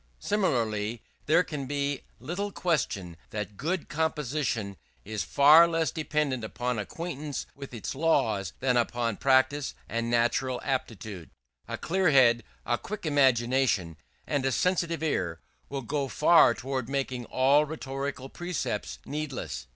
Similarly, there can be little question that good composition is far less dependent upon acquaintance with its laws, than upon practice and natural aptitude. A clear head, a quick imagination, and a sensitive ear, will go far towards making all rhetorical precepts needless.